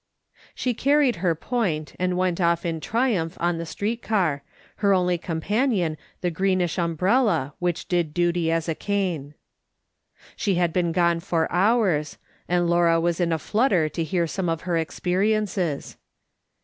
She carried her point, and M'ent off in triumph on the street car, her only companion the greenish um brella, which did duty as a cane. She had been gone for hours, and Laura was in a flutter to hear some of her experiences.